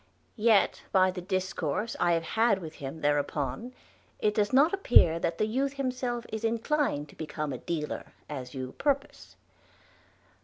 Yet by the discourse I have had with him there uponne, it doth not appeare that the youthe himself is inclined to become a dealer, as you purpose.